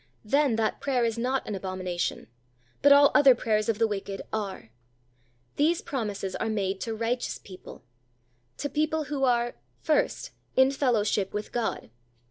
Then that prayer is not an abomination; but all other prayers of the wicked are. These promises are made to righteous people to people who are: First, in fellowship with God.